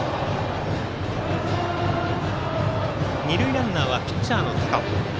二塁ランナーはピッチャーの高尾。